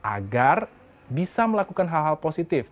agar bisa melakukan hal hal positif